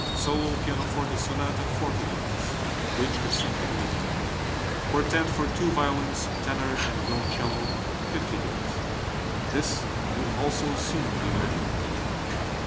Solo pianoforte Sonata, 40 ducats (which could soon be delivered); Quartet for two violins, tenor, and violoncello, 50 ducats (this will also soon be ready).